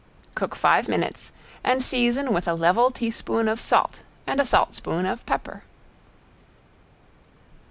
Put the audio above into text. Cook five minutes and season with a level teaspoon of salt and a saltspoon of pepper.